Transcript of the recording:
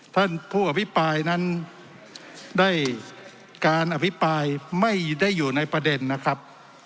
ท่านผู้อภิปรายนั้นได้การอภิปรายไม่ได้อยู่ในประเด็นนะครับ